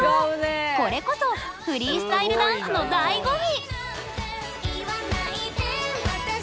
これこそフリースタイルダンスのだいご味！